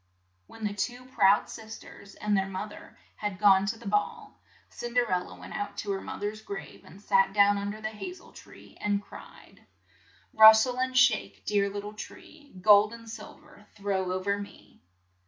When the two proud sis ters and their moth er had gone to the ball, Cin der el la went out to her moth er's grave, and sat down un der the ha zel tree, and cried, CINDERELLA 101 " Rus tle and shake, dear lit tle tree ; Gold and sil ver throw o ver me."